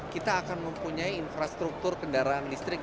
kita akan mempunyai infrastruktur kendaraan listrik